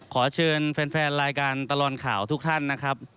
ขอเชิญแฟนรายการตลอดข่าวทุกท่านนะครับ